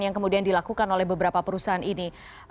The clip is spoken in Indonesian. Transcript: yang kemudian dilakukan oleh beberapa perusahaan ini